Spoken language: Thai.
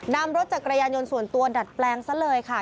นำรถจักรยานยนต์ส่วนตัวดัดแปลงซะเลยค่ะ